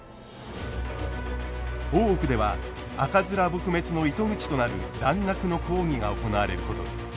大奥では赤面撲滅の糸口となる蘭学の講義が行われることに。